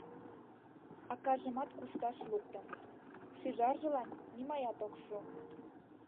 Акажымат кушташ луктым: шӱжаржылан нимаят ок шу.